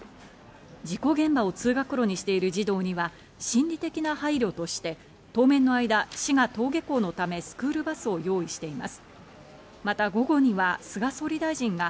事故現場を通学路にしている児童には心理的な配慮として、当面の間、市が登下校のためスクールバスを用意しています。